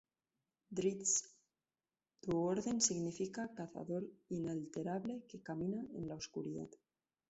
Drizzt Do'Urden significa "cazador inalterable que camina en la oscuridad".